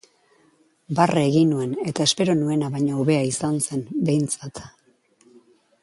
Barre egin nuen eta espero nuena baina hobea izan zen, behintzat.